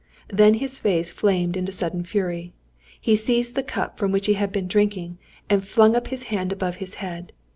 Then his face flamed into sudden fury. He seized the cup from which he had been drinking, and flung up his hand above his head.